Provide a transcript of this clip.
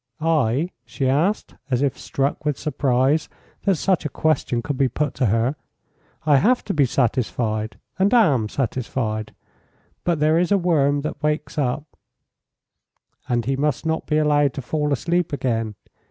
"I?" she asked, as if struck with surprise that such a question could be put to her. "I have to be satisfied, and am satisfied. But there is a worm that wakes up " "And he must not be allowed to fall asleep again.